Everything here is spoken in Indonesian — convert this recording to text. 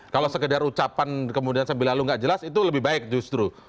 kalau sekedar ucapan kemudian sambil lalu nggak jelas itu lebih baik justru